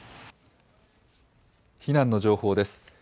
避難の情報です。